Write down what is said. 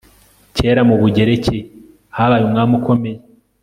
Kera mu Bugereki habaye umwami ukomeye